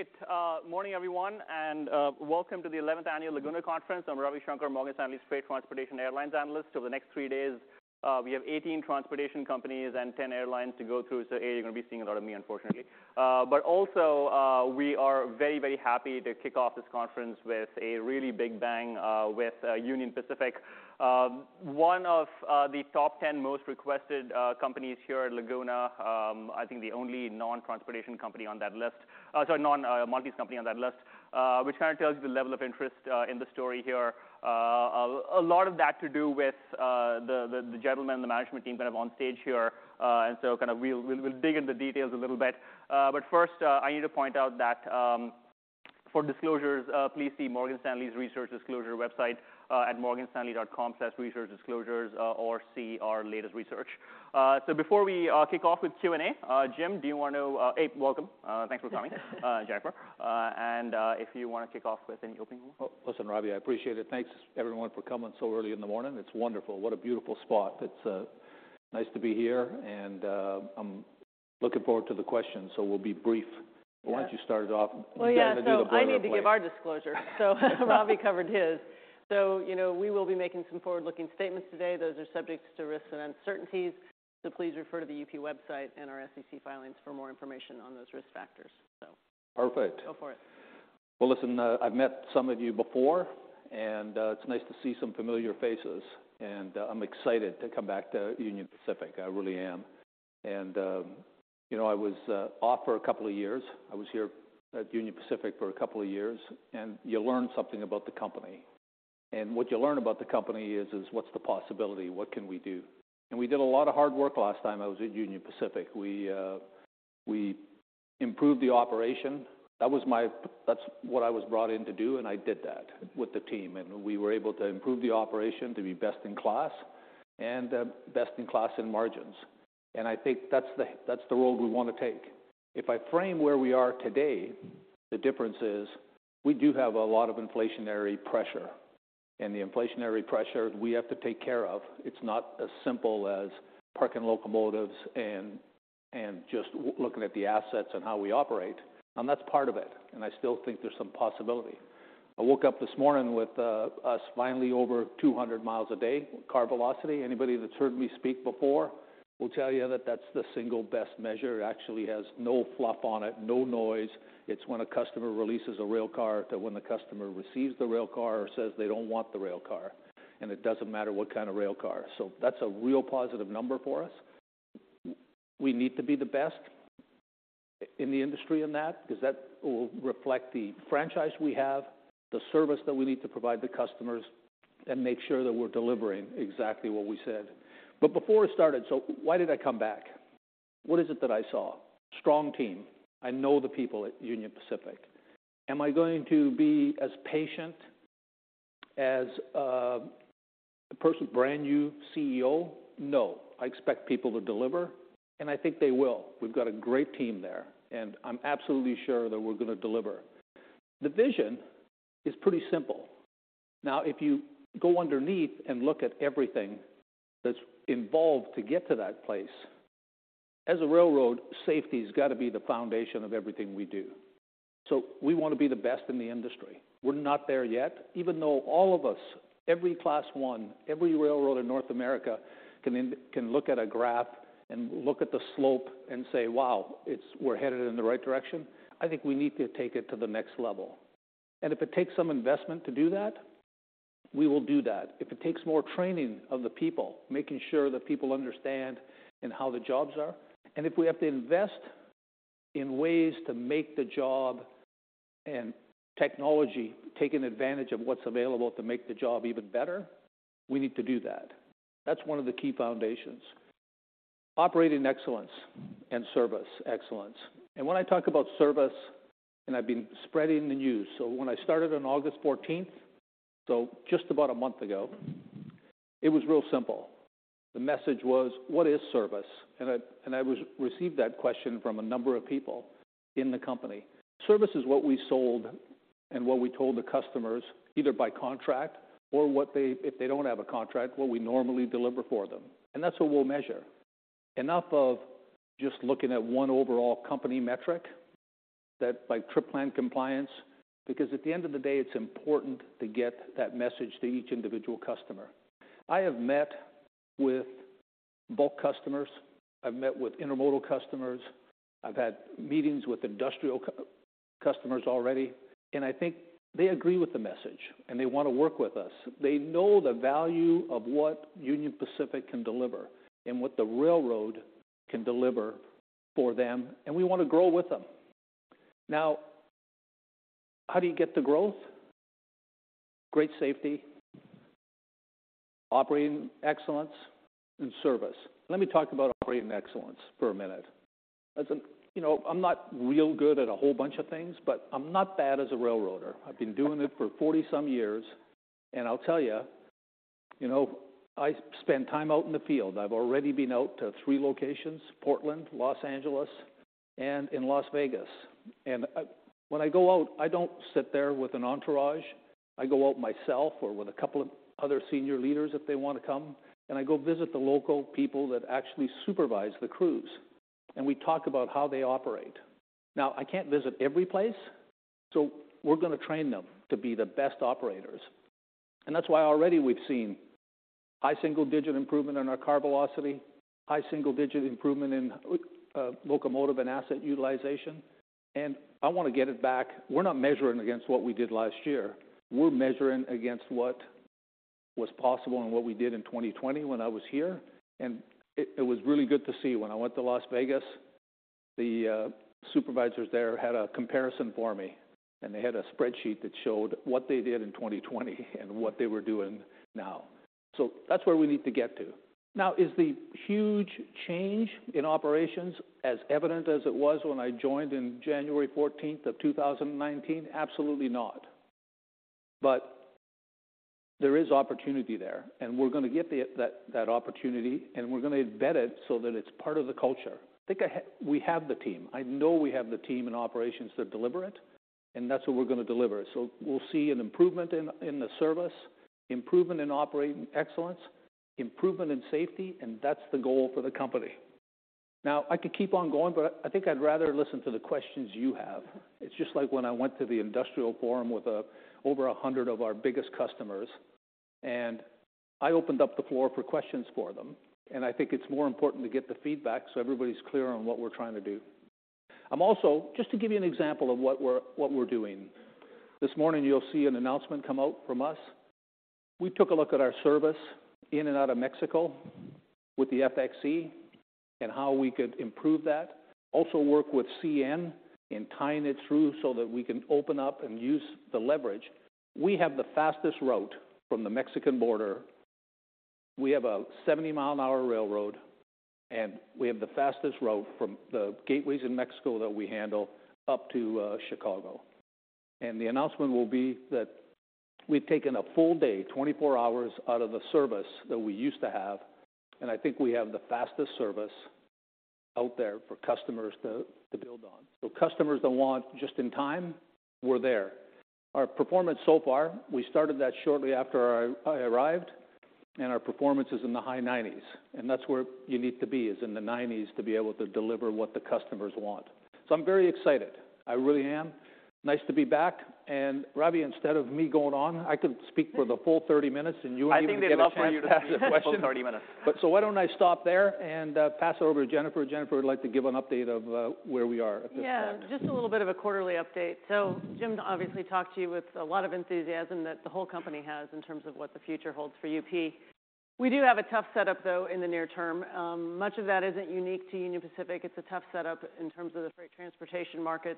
Great, morning, everyone, and, welcome to the 11th Annual Laguna Conference. I'm Ravi Shanker, Morgan Stanley's freight transportation airlines analyst. Over the next three days, we have 18 transportation companies and 10 airlines to go through. So you're gonna be seeing a lot of me, unfortunately. But also, we are very, very happy to kick off this conference with a really big bang, with, Union Pacific, one of, the top 10 most requested, companies here at Laguna. I think the only non-transportation company on that list- sorry, non, Morgan's company on that list. Which kind of tells you the level of interest, in the story here. A lot of that to do with, the gentlemen and the management team that have on stage here. And so kind of we'll dig into details a little bit. But first, I need to point out that for disclosures, please see Morgan Stanley's research disclosure website at morganstanley.com/researchdisclosures or see our latest research. So before we kick off with Q&A, Jim, do you want to-- Hey, welcome, thanks for coming, Jennifer. And if you wanna kick off with any opening remarks. Well, listen, Ravi, I appreciate it. Thanks, everyone, for coming so early in the morning. It's wonderful. What a beautiful spot. It's nice to be here, and I'm looking forward to the questions, so we'll be brief. Yeah. Why don't you start it off? Well, yeah- You do the boilerplate. So I need to give our disclosure. So Ravi covered his. So, you know, we will be making some forward-looking statements today. Those are subject to risks and uncertainties, so please refer to the UP website and our SEC filings for more information on those risk factors. So- Perfect. Go for it. Well, listen, I've met some of you before, and it's nice to see some familiar faces, and I'm excited to come back to Union Pacific. I really am. And you know, I was off for a couple of years. I was here at Union Pacific for a couple of years, and you learn something about the company. And what you learn about the company is, is what's the possibility? What can we do? And we did a lot of hard work last time I was at Union Pacific. We improved the operation. That was. That's what I was brought in to do, and I did that with the team, and we were able to improve the operation to be best-in-class and best-in-class in margins. And I think that's the, that's the road we want to take. If I frame where we are today, the difference is we do have a lot of inflationary pressure, and the inflationary pressure we have to take care of. It's not as simple as parking locomotives and just looking at the assets and how we operate, and that's part of it, and I still think there's some possibility. I woke up this morning with us finally over 200 miles a day, car velocity. Anybody that's heard me speak before will tell you that that's the single best measure. It actually has no fluff on it, no noise. It's when a customer releases a rail car, to when the customer receives the rail car or says they don't want the rail car, and it doesn't matter what kind of rail car. So that's a real positive number for us. We need to be the best in the industry in that, because that will reflect the franchise we have, the service that we need to provide the customers, and make sure that we're delivering exactly what we said. But before I started, so why did I come back? What is it that I saw? Strong team. I know the people at Union Pacific. Am I going to be as patient as a person, brand-new CEO? No, I expect people to deliver, and I think they will. We've got a great team there, and I'm absolutely sure that we're gonna deliver. The vision is pretty simple. Now, if you go underneath and look at everything that's involved to get to that place, as a railroad, safety's got to be the foundation of everything we do. So we want to be the best in the industry. We're not there yet. Even though all of us, every Class One, every railroad in North America, can look at a graph and look at the slope and say, "Wow, it's, we're headed in the right direction," I think we need to take it to the next level. If it takes some investment to do that, we will do that. If it takes more training of the people, making sure that people understand and how the jobs are, and if we have to invest in ways to make the job and technology, taking advantage of what's available to make the job even better, we need to do that. That's one of the key foundations. Operating excellence and service excellence. When I talk about service, I've been spreading the news. So when I started on August fourteenth, so just about a month ago, it was real simple. The message was, what is service? I received that question from a number of people in the company. Service is what we sold and what we told the customers, either by contract or what they, if they don't have a contract, what we normally deliver for them, and that's what we'll measure. Enough of just looking at one overall company metric, that by Trip Plan Compliance, because at the end of the day, it's important to get that message to each individual customer. I have met with bulk customers, I've met with intermodal customers, I've had meetings with industrial customers already, and I think they agree with the message, and they want to work with us. They know the value of what Union Pacific can deliver and what the railroad can deliver for them, and we want to grow with them. Now, how do you get the growth? Great safety, operating excellence, and service. Let me talk about operating excellence for a minute. As you know, I'm not real good at a whole bunch of things, but I'm not bad as a railroader. I've been doing it for 40-some years, and I'll tell you, you know, I spend time out in the field. I've already been out to three locations, Portland, Los Angeles, and Las Vegas. When I go out, I don't sit there with an entourage.... I go out myself or with a couple of other senior leaders if they want to come, and I go visit the local people that actually supervise the crews, and we talk about how they operate. Now, I can't visit every place, so we're going to train them to be the best operators. And that's why already we've seen high single-digit improvement in our car velocity, high single-digit improvement in locomotive and asset utilization, and I want to get it back. We're not measuring against what we did last year. We're measuring against what was possible and what we did in 2020 when I was here, and it was really good to see. When I went to Las Vegas, the supervisors there had a comparison for me, and they had a spreadsheet that showed what they did in 2020 and what they were doing now. So that's where we need to get to. Now, is the huge change in operations as evident as it was when I joined in January 14th of 2019? Absolutely not. But there is opportunity there, and we're going to get the opportunity, and we're going to embed it so that it's part of the culture. I think we have the team. I know we have the team and operations that deliver it, and that's what we're going to deliver. So we'll see an improvement in the service, improvement in operating excellence, improvement in safety, and that's the goal for the company. Now, I could keep on going, but I think I'd rather listen to the questions you have. It's just like when I went to the industrial forum with over 100 of our biggest customers, and I opened up the floor for questions for them, and I think it's more important to get the feedback so everybody's clear on what we're trying to do. I'm also just to give you an example of what we're doing. This morning, you'll see an announcement come out from us. We took a look at our service in and out of Mexico with the FXE and how we could improve that. Also, work with CN in tying it through so that we can open up and use the leverage. We have the fastest route from the Mexican border. We have a 70-mile-an-hour railroad, and we have the fastest route from the gateways in Mexico that we handle up to Chicago. And the announcement will be that we've taken a full day, 24 hours, out of the service that we used to have, and I think we have the fastest service out there for customers to build on. So customers that want just in time, we're there. Our performance so far, we started that shortly after I arrived, and our performance is in the high 90s%, and that's where you need to be, is in the 90s% to be able to deliver what the customers want. So I'm very excited. I really am. Nice to be back. And Ravi, instead of me going on, I could speak for the full 30 minutes, and you wouldn't even get a chance to ask a question. I think they'd love for you to speak for 30 minutes. Why don't I stop there and pass it over to Jennifer? Jennifer would like to give an update of where we are at this point. Yeah, just a little bit of a quarterly update. So Jim obviously talked to you with a lot of enthusiasm that the whole company has in terms of what the future holds for UP. We do have a tough setup, though, in the near term. Much of that isn't unique to Union Pacific. It's a tough setup in terms of the freight transportation market.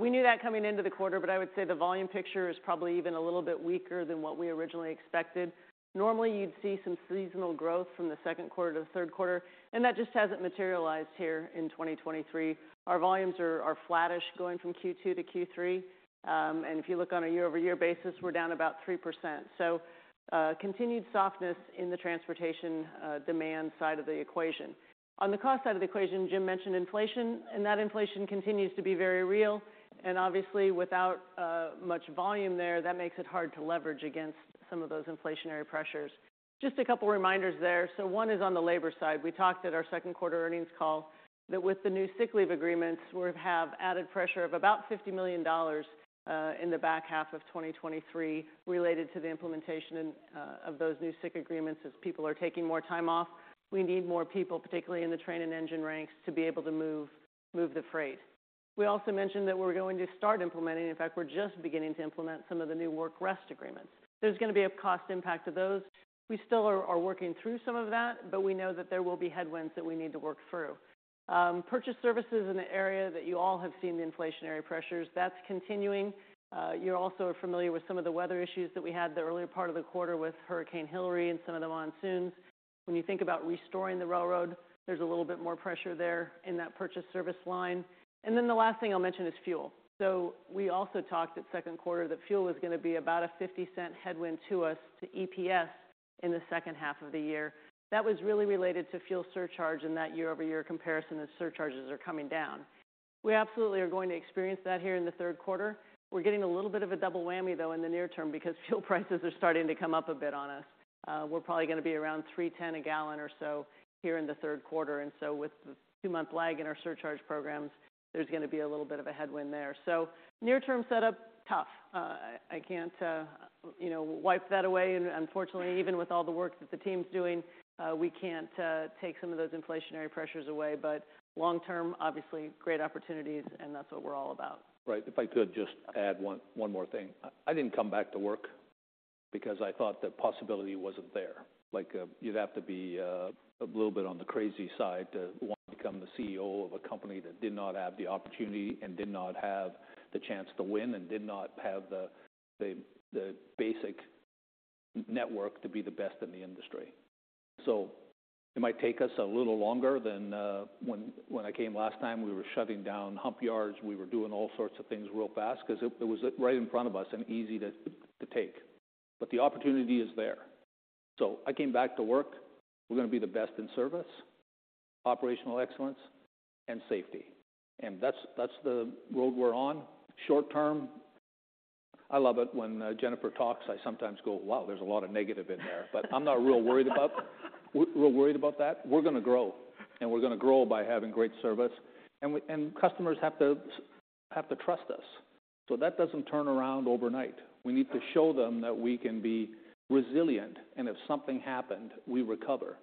We knew that coming into the quarter, but I would say the volume picture is probably even a little bit weaker than what we originally expected. Normally, you'd see some seasonal growth from the second quarter to the third quarter, and that just hasn't materialized here in 2023. Our volumes are, are flattish going from Q2 to Q3. And if you look on a year-over-year basis, we're down about 3%. So, continued softness in the transportation demand side of the equation. On the cost side of the equation, Jim mentioned inflation, and that inflation continues to be very real, and obviously, without much volume there, that makes it hard to leverage against some of those inflationary pressures. Just a couple reminders there. So one is on the labor side. We talked at our second quarter earnings call that with the new sick leave agreements, we'll have added pressure of about $50 million in the back half of 2023 related to the implementation of those new sick agreements as people are taking more time off. We need more people, particularly in the train and engine ranks, to be able to move the freight. We also mentioned that we're going to start implementing... In fact, we're just beginning to implement some of the new work rest agreements. There's going to be a cost impact to those. We still are working through some of that, but we know that there will be headwinds that we need to work through. Purchased services in the area that you all have seen the inflationary pressures, that's continuing. You also are familiar with some of the weather issues that we had the earlier part of the quarter with Hurricane Hilary and some of the monsoons. When you think about restoring the railroad, there's a little bit more pressure there in that purchase service line. And then the last thing I'll mention is fuel. So we also talked at second quarter that fuel was going to be about a $0.50 headwind to us, to EPS, in the second half of the year. That was really related to fuel surcharge in that year-over-year comparison as surcharges are coming down. We absolutely are going to experience that here in the third quarter. We're getting a little bit of a double whammy, though, in the near term because fuel prices are starting to come up a bit on us. We're probably going to be around $3.10 a gallon or so here in the third quarter, and so with the two-month lag in our surcharge programs, there's going to be a little bit of a headwind there. So near term setup, tough. I can't, you know, wipe that away. And unfortunately, even with all the work that the team's doing, we can't take some of those inflationary pressures away. But long term, obviously, great opportunities, and that's what we're all about. Right. If I could just add one, one more thing. I didn't come back to work because I thought that possibility wasn't there. Like, you'd have to be a little bit on the crazy side to want to become the CEO of a company that did not have the opportunity, and did not have the chance to win, and did not have the basic network to be the best in the industry. So it might take us a little longer than when I came last time, we were shutting down hump yards. We were doing all sorts of things real fast because it was right in front of us and easy to take. But the opportunity is there. So I came back to work. We're going to be the best in service, operational excellence, and safety. That's the road we're on short term. I love it when Jennifer talks, I sometimes go: Wow, there's a lot of negative in there. But I'm not real worried about that. We're worried about that. We're gonna grow, and we're gonna grow by having great service, and customers have to trust us, so that doesn't turn around overnight. We need to show them that we can be resilient, and if something happened, we recover.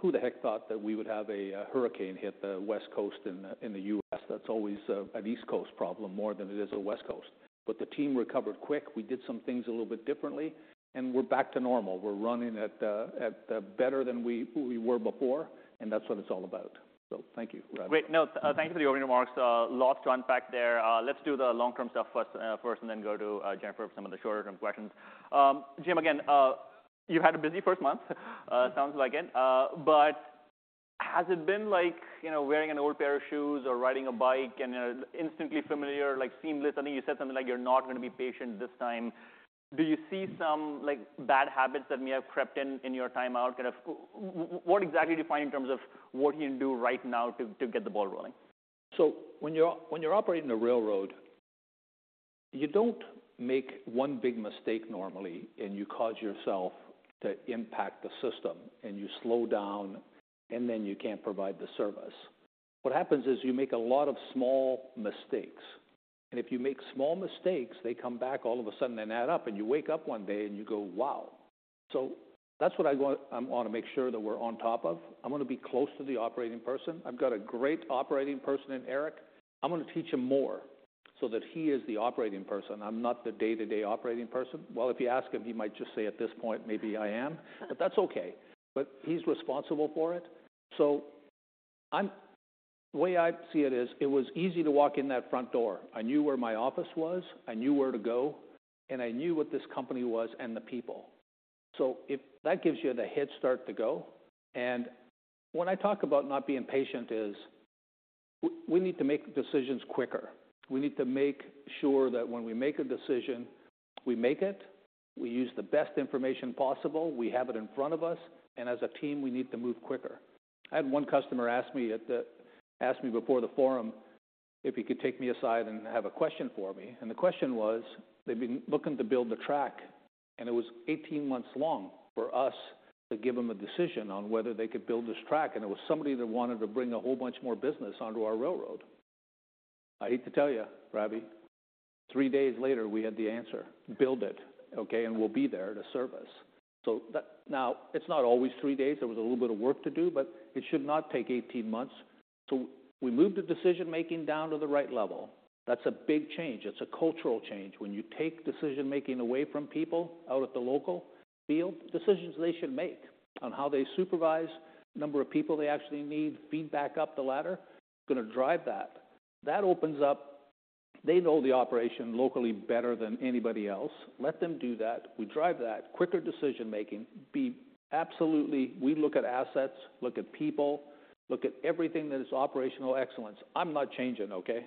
Who the heck thought that we would have a hurricane hit the West Coast in the US? That's always an East Coast problem more than it is a West Coast. But the team recovered quick. We did some things a little bit differently, and we're back to normal. We're running at better than we were before, and that's what it's all about. So thank you, Ravi. Great. No, thank you for the opening remarks. Lots to unpack there. Let's do the long-term stuff first, and then go to Jennifer for some of the shorter-term questions. Jim, again, you've had a busy first month, sounds like it. But has it been like, you know, wearing an old pair of shoes or riding a bike and instantly familiar, like seamless? I think you said something like, you're not gonna be patient this time. Do you see some, like, bad habits that may have crept in in your time out? Kind of, what exactly do you find in terms of what you can do right now to get the ball rolling? So when you're, when you're operating a railroad, you don't make one big mistake normally, and you cause yourself to impact the system, and you slow down, and then you can't provide the service. What happens is you make a lot of small mistakes, and if you make small mistakes, they come back all of a sudden and add up, and you wake up one day, and you go, "Wow!" So that's what I want. I want to make sure that we're on top of. I want to be close to the operating person. I've got a great operating person in Eric. I'm gonna teach him more so that he is the operating person. I'm not the day-to-day operating person. Well, if you ask him, he might just say, at this point, maybe I am, but that's okay. But he's responsible for it. So the way I see it is, it was easy to walk in that front door. I knew where my office was, I knew where to go, and I knew what this company was and the people. So if that gives you the head start to go, and when I talk about not being patient is we need to make decisions quicker. We need to make sure that when we make a decision, we make it, we use the best information possible, we have it in front of us, and as a team, we need to move quicker. I had one customer ask me before the forum if he could take me aside and have a question for me, and the question was: they've been looking to build the track, and it was 18 months long for us to give them a decision on whether they could build this track. It was somebody that wanted to bring a whole bunch more business onto our railroad. I hate to tell you, Ravi, three days later, we had the answer: "Build it, okay, and we'll be there to service." So that... Now, it's not always three days. There was a little bit of work to do, but it should not take 18 months. We moved the decision-making down to the right level. That's a big change. It's a cultural change. When you take decision-making away from people out at the local field, decisions they should make on how they supervise, number of people they actually need, feed back up the ladder, gonna drive that. That opens up. They know the operation locally better than anybody else. Let them do that. We drive that. Quicker decision-making, be absolutely. We look at assets, look at people, look at everything that is operational excellence. I'm not changing, okay?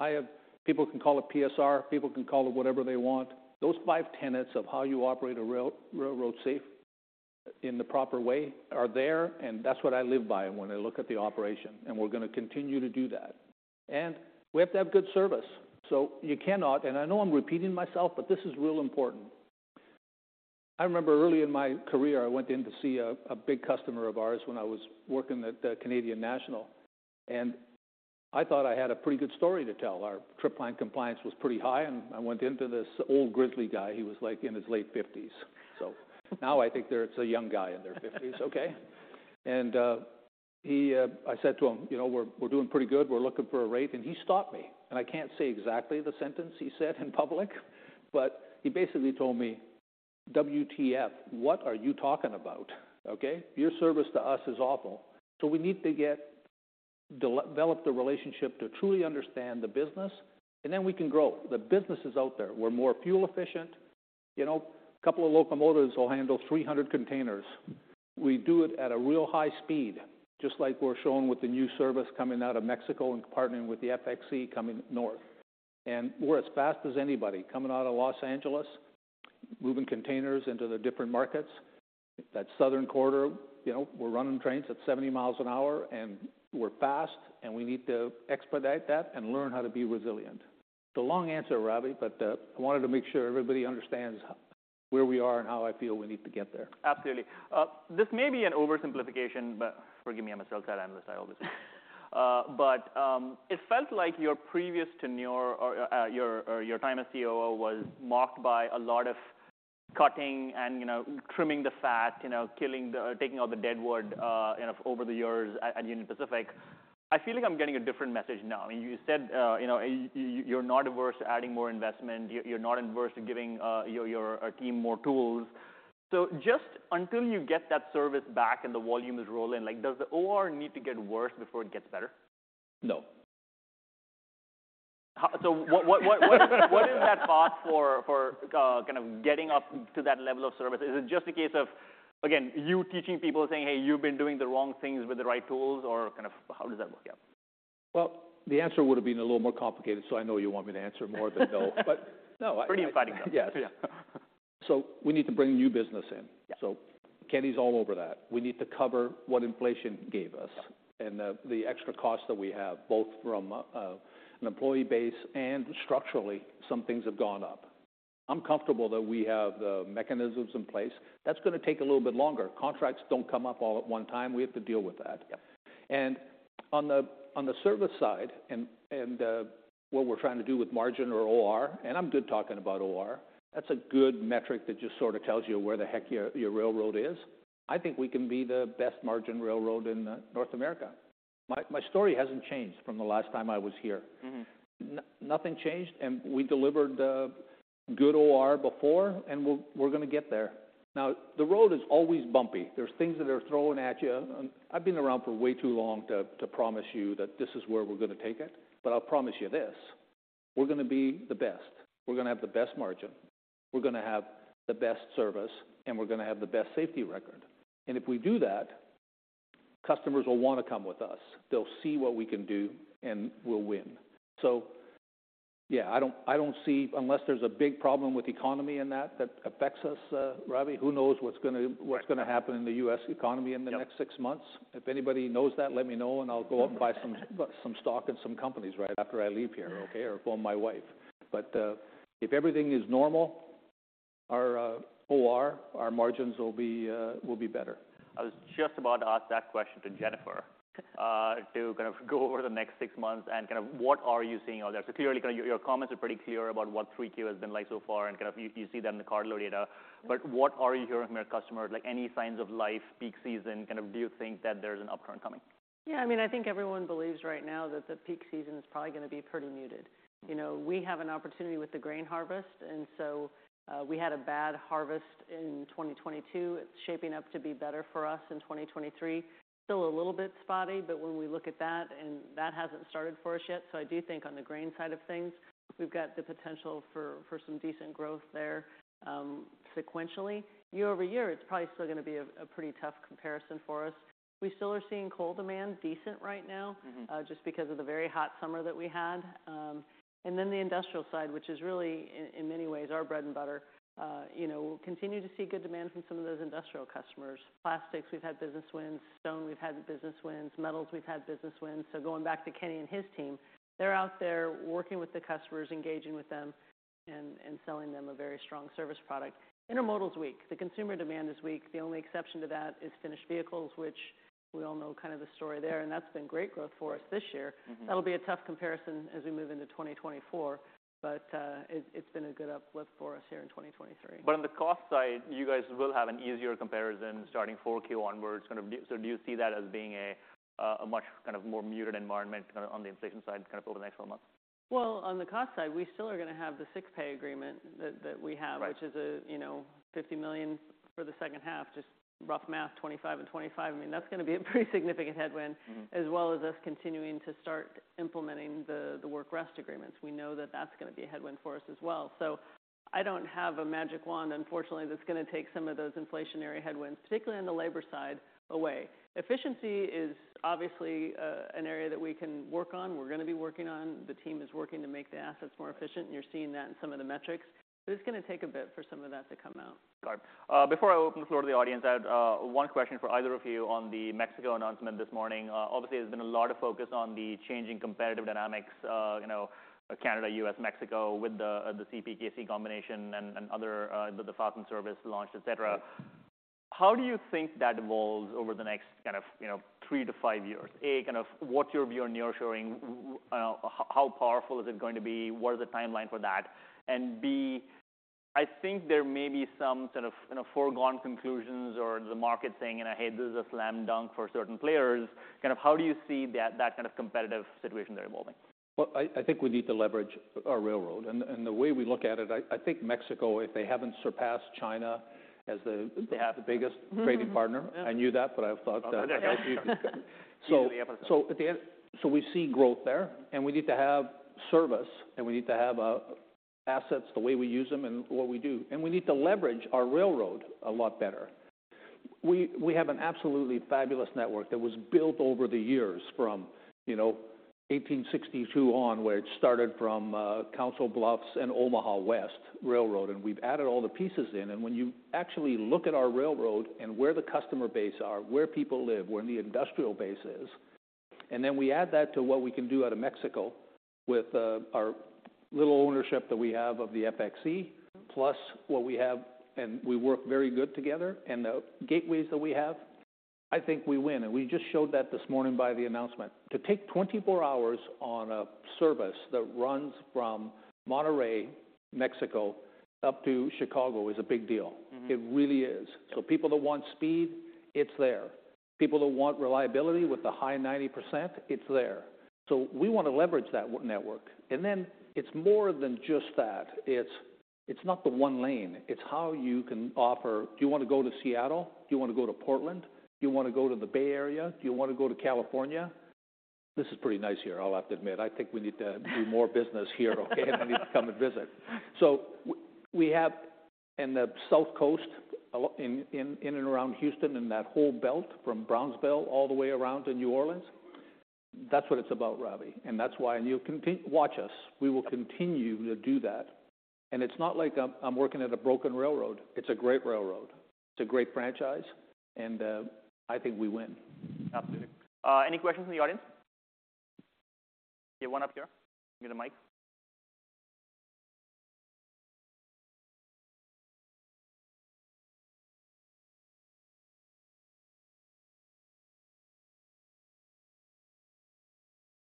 I have. People can call it PSR, people can call it whatever they want. Those five tenets of how you operate a railroad safe in the proper way are there, and that's what I live by when I look at the operation, and we're gonna continue to do that. And we have to have good service, so you cannot. And I know I'm repeating myself, but this is real important. I remember early in my career, I went in to see a big customer of ours when I was working at the Canadian National, and I thought I had a pretty good story to tell. Our trip plan compliance was pretty high, and I went into this old grizzly guy. He was, like, in his late fifties. So now I think there it's a young guy in their fifties, okay? I said to him, "You know, we're doing pretty good. We're looking for a rate." And he stopped me, and I can't say exactly the sentence he said in public, but he basically told me, "WTF, what are you talking about?" Okay? "Your service to us is awful." So we need to develop the relationship to truly understand the business, and then we can grow. The business is out there. We're more fuel efficient. You know, a couple of locomotives will handle 300 containers. We do it at a real high speed, just like we're shown with the new service coming out of Mexico and partnering with the FXE coming north. And we're as fast as anybody coming out of Los Angeles, moving containers into the different markets. That southern corridor, you know, we're running trains at 70 miles an hour, and we're fast, and we need to expedite that and learn how to be resilient. It's a long answer, Ravi, but I wanted to make sure everybody understands where we are and how I feel we need to get there. Absolutely. This may be an oversimplification, but forgive me, I'm a sell-side analyst, I always do. But, it felt like your previous tenure or your time as COO was marked by a lot of cutting and, you know, trimming the fat, you know, killing the-- taking out the deadwood, you know, over the years at Union Pacific. I feel like I'm getting a different message now. I mean, you said, you know, you're not averse to adding more investment, you're not averse to giving your team more tools. So just until you get that service back and the volumes roll in, like, does the OR need to get worse before it gets better? No. So what is that thought for kind of getting up to that level of service? Is it just a case of, again, you teaching people, saying: "Hey, you've been doing the wrong things with the right tools," or kind of how does that work out?... Well, the answer would have been a little more complicated, so I know you want me to answer more than no. But no- Pretty inviting, though. Yes. We need to bring new business in. Yeah. So Kenny's all over that. We need to cover what inflation gave us- Yeah - and the extra costs that we have, both from an employee base and structurally, some things have gone up. I'm comfortable that we have the mechanisms in place. That's going to take a little bit longer. Contracts don't come up all at one time. We have to deal with that. Yeah. And on the service side, and what we're trying to do with margin or OR, and I'm good talking about OR, that's a good metric that just sort of tells you where the heck your railroad is. I think we can be the best margin railroad in North America. My story hasn't changed from the last time I was here. Mm-hmm. Nothing changed, and we delivered good OR before, and we're going to get there. Now, the road is always bumpy. There's things that are thrown at you. I've been around for way too long to promise you that this is where we're going to take it. But I'll promise you this: we're going to be the best. We're going to have the best margin, we're going to have the best service, and we're going to have the best safety record. And if we do that, customers will want to come with us. They'll see what we can do, and we'll win. So yeah, I don't see, unless there's a big problem with the economy and that affects us, Ravi. Who knows what's gonna- Right... what's going to happen in the U.S. economy in the next six months? Yeah. If anybody knows that, let me know and I'll go out and buy some stock in some companies right after I leave here, okay? Or call my wife. But, if everything is normal, our OR, our margins will be better. I was just about to ask that question to Jennifer, to kind of go over the next six months and kind of what are you seeing out there. So clearly, kind of your, your comments are pretty clear about what Q3 has been like so far, and kind of you, you see that in the cargo data. But what are you hearing from your customers? Like, any signs of life, peak season, kind of do you think that there's an upturn coming? Yeah, I mean, I think everyone believes right now that the peak season is probably going to be pretty muted. You know, we have an opportunity with the grain harvest, and so, we had a bad harvest in 2022. It's shaping up to be better for us in 2023. Still a little bit spotty, but when we look at that, and that hasn't started for us yet, so I do think on the grain side of things, we've got the potential for some decent growth there. Sequentially, year-over-year, it's probably still going to be a pretty tough comparison for us. We still are seeing coal demand decent right now- Mm-hmm... just because of the very hot summer that we had. And then the industrial side, which is really, in many ways, our bread and butter, you know, we continue to see good demand from some of those industrial customers. Plastics, we've had business wins. Stone, we've had business wins. Metals, we've had business wins. So going back to Kenny and his team, they're out there working with the customers, engaging with them, and selling them a very strong service product. Intermodal is weak. The consumer demand is weak. The only exception to that is finished vehicles, which we all know kind of the story there, and that's been great growth for us this year. Mm-hmm. That'll be a tough comparison as we move into 2024, but, it, it's been a good uplift for us here in 2023. But on the cost side, you guys will have an easier comparison starting Q4 onwards. So do you see that as being a much kind of more muted environment, kind of on the inflation side, kind of over the next four months? Well, on the cost side, we still are going to have the sick pay agreement that we have- Right... which is, you know, $50 million for the second half. Just rough math, $25 million and $25 million. I mean, that's going to be a pretty significant headwind- Mm-hmm... as well as us continuing to start implementing the work rest agreements. We know that that's going to be a headwind for us as well. So I don't have a magic wand, unfortunately, that's going to take some of those inflationary headwinds, particularly on the labor side, away. Efficiency is obviously an area that we can work on, we're going to be working on. The team is working to make the assets more efficient, and you're seeing that in some of the metrics. But it's going to take a bit for some of that to come out. Got it. Before I open the floor to the audience, I had one question for either of you on the Mexico announcement this morning. Obviously, there's been a lot of focus on the changing competitive dynamics, you know, Canada, U.S., Mexico, with the CPKC combination and other the Falcon Service launch, et cetera. How do you think that evolves over the next kind of, you know, three to five years? A, kind of, what's your view on nearshoring? How powerful is it going to be? What is the timeline for that? And B, I think there may be some sort of, you know, foregone conclusions or the market saying, "Hey, this is a slam dunk for certain players." Kind of, how do you see that kind of competitive situation there evolving? Well, I think we need to leverage our railroad. And the way we look at it, I think Mexico, if they haven't surpassed China as the- They have... the biggest trading partner. Mm-hmm. I knew that, but I thought that. So at the end, so we see growth there, and we need to have service, and we need to have assets, the way we use them and what we do, and we need to leverage our railroad a lot better. We have an absolutely fabulous network that was built over the years from, you know, 1862 on, where it started from Council Bluffs and Omaha west railroad, and we've added all the pieces in. And when you actually look at our railroad and where the customer base are, where people live, where the industrial base is, and then we add that to what we can do out of Mexico with our little ownership that we have of the FXE, plus what we have, and we work very good together, and the gateways that we have, I think we win. And we just showed that this morning by the announcement. To take 24 hours on a service that runs from Monterrey, Mexico, up to Chicago is a big deal. Mm-hmm. It really is. So people that want speed, it's there. People that want reliability with the high 90%, it's there. So we want to leverage that network. And then it's more than just that. It's, it's not the one lane, it's how you can offer... Do you want to go to Seattle? Do you want to go to Portland? Do you want to go to the Bay Area? Do you want to go to California? This is pretty nice here, I'll have to admit. I think we need to do more business here, okay? And I need to come and visit. So we have... and the South Coast, a lot in and around Houston, and that whole belt from Brownsville all the way around to New Orleans, that's what it's about, Ravi. And that's why, and you'll continue to watch us. We will continue to do that, and it's not like I'm working at a broken railroad. It's a great railroad. It's a great franchise, and I think we win. Absolutely. Any questions from the audience? Okay, one up here. Give him the mic.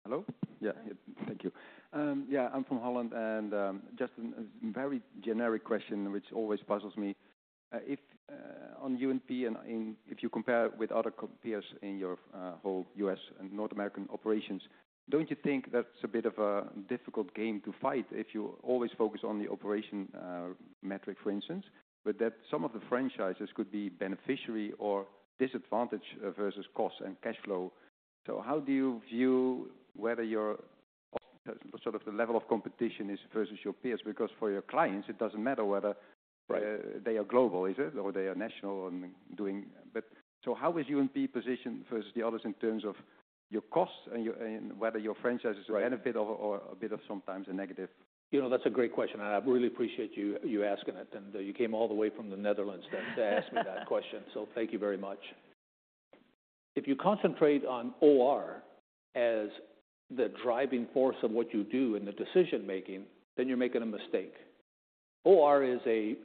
Hello? Yeah, thank you. Yeah, I'm from Holland, and just a very generic question, which always puzzles me: if on UNP and in, if you compare with other co-peers in your whole U.S. and North American operations, don't you think that's a bit of a difficult game to fight if you always focus on the operation metric, for instance, but that some of the franchises could be beneficiary or disadvantage versus cost and cash flow? So how do you view whether your sort of the level of competition is versus your peers? Because for your clients, it doesn't matter whether- Right... they are global, is it, or they are national and doing... But so how is UNP positioned versus the others in terms of your costs and your, and whether your franchises? Right are a benefit or, or a bit of sometimes a negative? You know, that's a great question, and I really appreciate you asking it. You came all the way from the Netherlands to ask me that question, so thank you very much. If you concentrate on OR as the driving force of what you do in the decision-making, then you're making a mistake. OR is a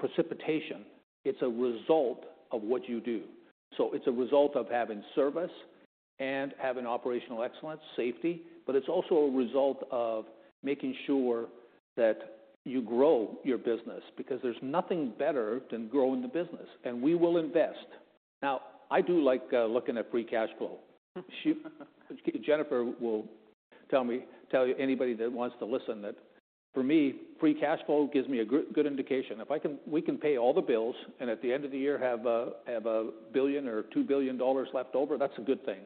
precipitation. It's a result of what you do. So it's a result of having service and having operational excellence, safety, but it's also a result of making sure that you grow your business, because there's nothing better than growing the business, and we will invest. Now, I do like looking at free cash flow. Jennifer will tell me, tell anybody that wants to listen, that for me, free cash flow gives me a good, good indication. We can pay all the bills and at the end of the year have a billion or $2 billion left over, that's a good thing.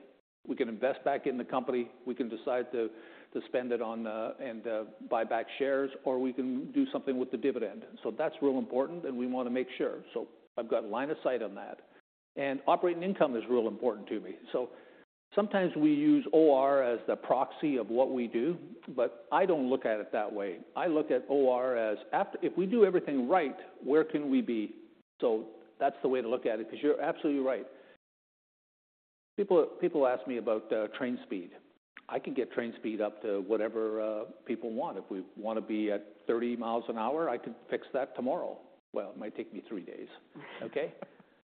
We can invest back in the company. We can decide to spend it on and buy back shares, or we can do something with the dividend. So that's real important, and we want to make sure. So I've got line of sight on that. And operating income is real important to me. So sometimes we use OR as the proxy of what we do, but I don't look at it that way. I look at OR as after... If we do everything right, where can we be? So that's the way to look at it, because you're absolutely right. People ask me about train speed. I can get train speed up to whatever, people want. If we want to be at 30 miles an hour, I could fix that tomorrow. Well, it might take me 3 days, okay?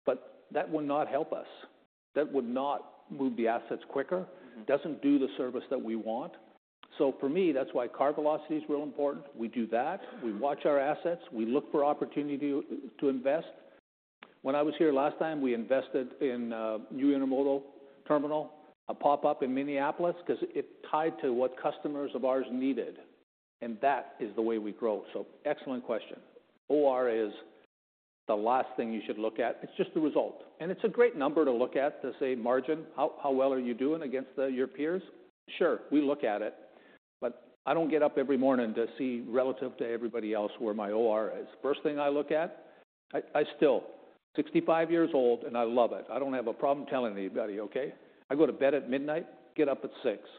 But that would not help us. That would not move the assets quicker. Mm-hmm. Doesn't do the service that we want. So for me, that's why car velocity is real important. We do that. We watch our assets. We look for opportunity to invest. When I was here last time, we invested in a new intermodal terminal, a pop-up in Minneapolis, 'cause it tied to what customers of ours needed, and that is the way we grow. So excellent question. OR is the last thing you should look at. It's just the result, and it's a great number to look at, to say margin, how well are you doing against your peers? Sure, we look at it, but I don't get up every morning to see relative to everybody else where my OR is. First thing I look at, I still, 65 years old, and I love it. I don't have a problem telling anybody, okay? I go to bed at 12:00 A.M., get up at 6:00 A.M.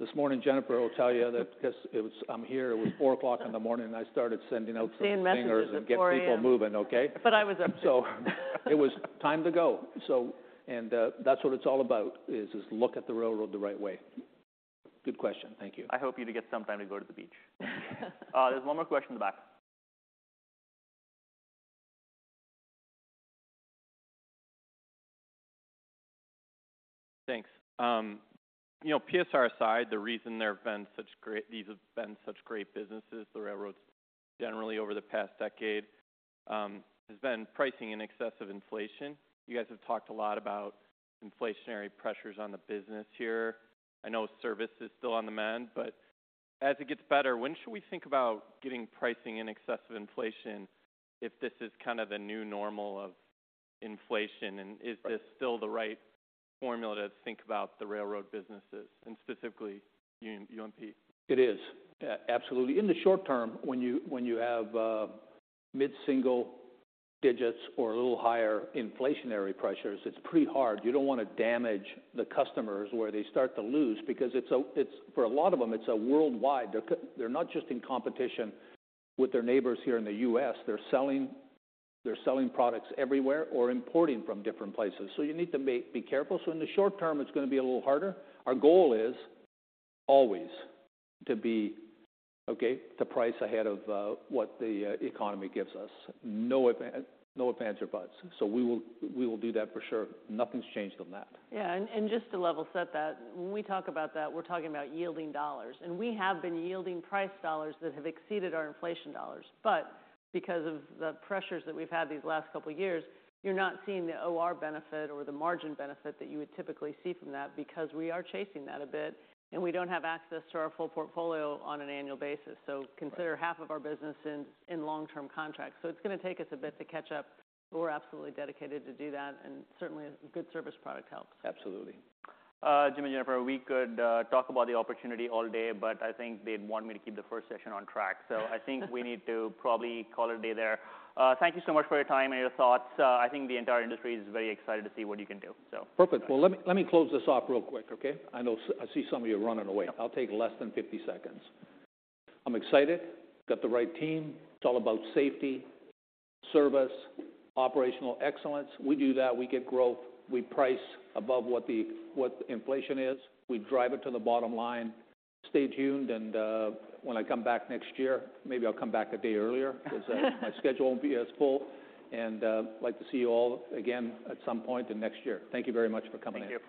This morning, Jennifer will tell you that because it was - I'm here. It was 4:00 A.M., and I started sending out - I was seeing messages at 4:00 A.M. -to get people moving, okay? But I was up, too. So it was time to go. So... And, that's what it's all about, is, is look at the railroad the right way. Good question. Thank you. I hope you get some time to go to the beach. There's one more question in the back. Thanks. You know, PSR aside, the reason these have been such great businesses, the railroads generally over the past decade, has been pricing in excess of inflation. You guys have talked a lot about inflationary pressures on the business here. I know service is still on the mend, but as it gets better, when should we think about getting pricing in excess of inflation, if this is kind of the new normal of inflation? Right. Is this still the right formula to think about the railroad businesses, and specifically UNP? It is absolutely. In the short term, when you have mid-single digits or a little higher inflationary pressures, it's pretty hard. You don't want to damage the customers, where they start to lose, because it's a worldwide. They're not just in competition with their neighbors here in the US. They're selling products everywhere or importing from different places. So you need to be careful. So in the short term, it's going to be a little harder. Our goal is always to be, okay, to price ahead of what the economy gives us. No ifs, ands, or buts. So we will do that for sure. Nothing's changed on that. Yeah, and just to level-set that, when we talk about that, we're talking about yielding dollars, and we have been yielding price dollars that have exceeded our inflation dollars. But because of the pressures that we've had these last couple of years, you're not seeing the OR benefit or the margin benefit that you would typically see from that, because we are chasing that a bit, and we don't have access to our full portfolio on an annual basis. Right. Consider half of our business in long-term contracts. It's going to take us a bit to catch up, but we're absolutely dedicated to do that, and certainly, a good service product helps. Absolutely. Jim and Jennifer, we could talk about the opportunity all day, but I think they'd want me to keep the first session on track. So I think we need to probably call it a day there. Thank you so much for your time and your thoughts. I think the entire industry is very excited to see what you can do, so- Perfect. Well, let me, let me close this off real quick, okay? I know, I see some of you running away. I'll take less than 50 seconds. I'm excited. Got the right team. It's all about safety, service, operational excellence. We do that, we get growth. We price above what inflation is. We drive it to the bottom line. Stay tuned, and when I come back next year, maybe I'll come back a day earlier, because my schedule won't be as full. And I'd like to see you all again at some point in next year. Thank you very much for coming in.